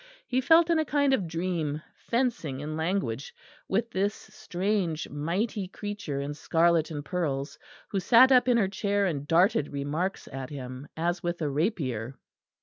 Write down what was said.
He felt in a kind of dream, fencing in language with this strange mighty creature in scarlet and pearls, who sat up in her chair and darted remarks at him, as with a rapier.